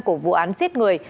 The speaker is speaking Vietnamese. của vụ án giết người